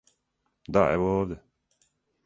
Да, ево овде.